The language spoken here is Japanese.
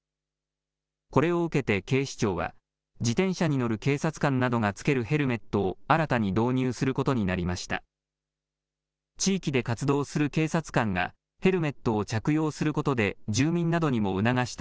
これを受けて警視庁は自転車に乗る警察官などが着けるヘルメットを新たに導入することになりました。